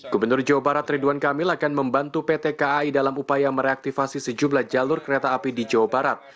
gubernur jawa barat ridwan kamil akan membantu pt kai dalam upaya mereaktivasi sejumlah jalur kereta api di jawa barat